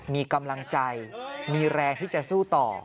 มีกำลังใจมีแรงที่จะสู้ต่อ